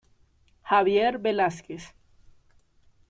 Javier Velázquez